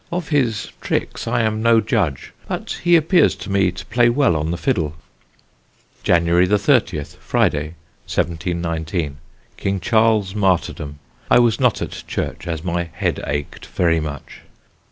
Of his tricks I am no judge: but he appears to me to play well on the fiddle. "January 30th (Friday), 1719. King Charles' Martyrdom. I was not at church, as my head ached very much.